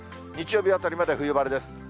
日曜日あたりまで冬晴れです。